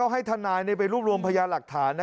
ก็ให้ถ่านายในใบรูปรวมพยาหลักฐานนะคะ